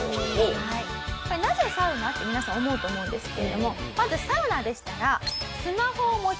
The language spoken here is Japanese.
これなぜサウナ？って皆さん思うと思うんですけれどもまずサウナでしたらスマホを持ち込めません。